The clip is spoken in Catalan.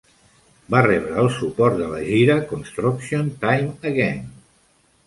Va rebre el suport de la gira "Construction Time Again".